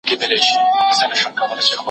هغوی په خندا کولو بوخت دي.